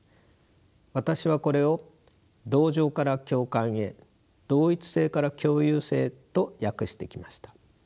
私はこれを同情から共感へ同一性から共有性へと訳してきました。